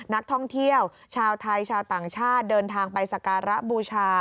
นักท่องเที่ยวชาวไทยชาวต่างชาติเดินทางไปสการะบูชา